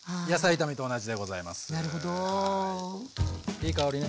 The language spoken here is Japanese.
いい香りね。